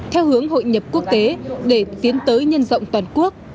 theo hướng hội nhập quốc tế để tiến tới nhân rộng toàn quốc